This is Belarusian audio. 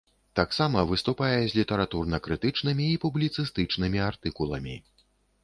Таксама выступае з літаратурна-крытычнымі і публіцыстычнымі артыкуламі.